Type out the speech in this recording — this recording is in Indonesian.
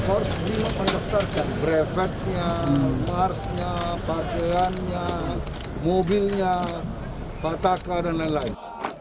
harus mendaftarkan brevetnya marsnya pakaiannya mobilnya bataka dan lain lain